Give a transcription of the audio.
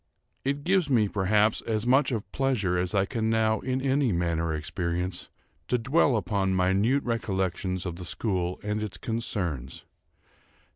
It gives me, perhaps, as much of pleasure as I can now in any manner experience, to dwell upon minute recollections of the school and its concerns.